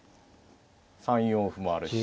３四歩もあるし。